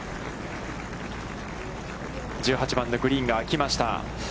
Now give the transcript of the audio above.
１８番のグリーンがあきました。